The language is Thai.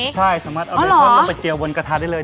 ใช่สามารถเอาใบทอดลงไปเจียวบนกระทะได้เลย